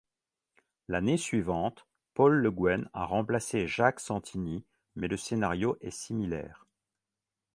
L'année suivante, Paul Le Guen a remplacé Jacques Santini mais le scénario est similaire.